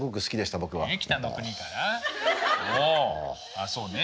あっそうね